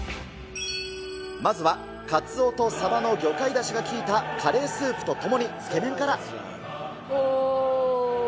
まずはカツオとサバの魚介だしが効いたカレースープとともにつけおー。